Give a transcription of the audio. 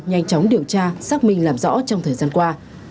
nhanh chóng điều tra xác minh làm rõ trong thời gian qua